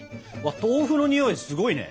豆腐のにおいすごいね。